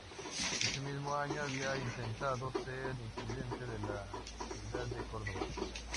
Ese mismo año había intentado ser intendente de la Ciudad de Córdoba.